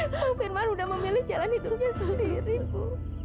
bang firman sudah memilih jalan hidupnya sendiri bu